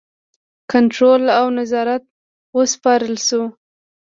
کنټرول او نظارت وسپارل شو.